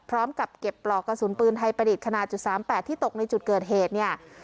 พร้อมกับเก็บปลอกกระสุนปืนไทยประดิษฐ์ขนาด๓๘ที่ตกในจุดเกิดเหตุเนี่ย